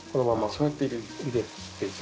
そうやって入れるんだ。